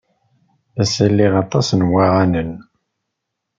Ass-a liɣ aṭas n waɣanen.